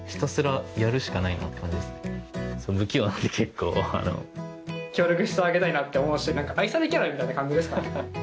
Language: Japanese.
結構。協力してあげたいなって思うしなんか愛されキャラみたいな感じですかね。